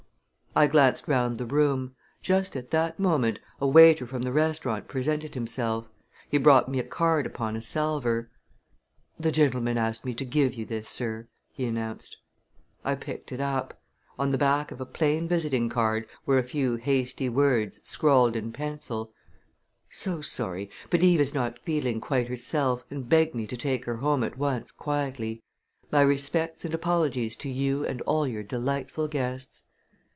I glanced round the room. Just at that moment a waiter from the restaurant presented himself. He brought me a card upon a salver. "The gentleman asked me to give you this, sir," he announced. I picked it up. On the back of a plain visiting card were a few hasty words, scrawled in pencil: "So sorry but Eve is not feeling quite herself and begged me to take her home at once quietly. My respects and apologies to you and all your delightful guests."